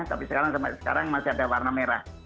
tapi sekarang masih ada warna merah